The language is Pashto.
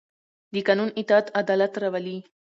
د قانون اطاعت عدالت راولي